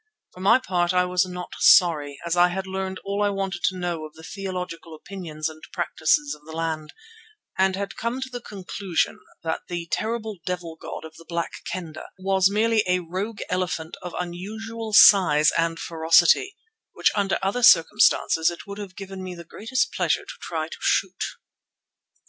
For my part I was not sorry, as I had learned all I wanted to know of the theological opinions and practice of the land, and had come to the conclusion that the terrible devil god of the Black Kendah was merely a rogue elephant of unusual size and ferocity, which under other circumstances it would have given me the greatest pleasure to try to shoot.